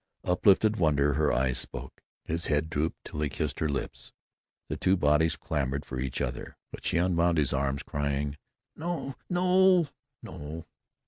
Uplifted wonder her eyes spoke. His head drooped till he kissed her lips. The two bodies clamored for each other. But she unwound his arms, crying, "No, no, no!"